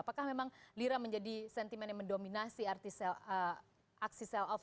apakah memang lira menjadi sentimen yang mendominasi aksi self